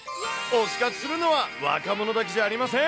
推し活するのは若者だけじゃありません。